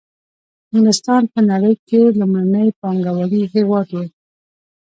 انګلستان په نړۍ کې لومړنی پانګوالي هېواد وو